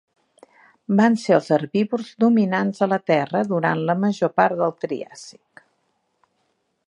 Van ser els herbívors dominants a la Terra durant la major part del Triàsic.